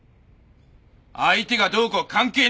相手がどうこう関係ねえよ。